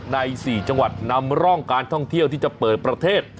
ใน๔จังหวัดนำร่องการท่องเที่ยวที่จะเปิดประเทศ